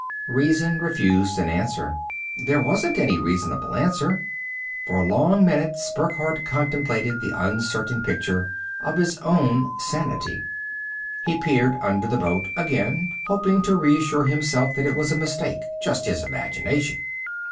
Reason refused an answer; there wasn't any reasonable answer. For long minutes, Burckhardt contemplated the uncertain picture of his own sanity. He peered under the boat again, hoping to reassure himself that it was a mistake, just his imagination.